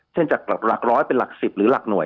เช่นจากหลักร้อยเป็นหลัก๑๐หรือหลักห่วย